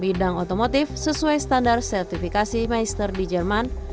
bidang otomotif sesuai standar sertifikasi mister di jerman